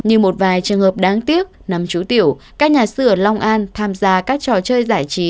như một vài trường hợp đáng tiếc nắm chú tiểu các nhà sư ở long an tham gia các trò chơi giải trí